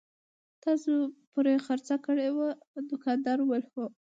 تاسې پرې خرڅه کړې وه؟ دوکاندارې وویل: هو.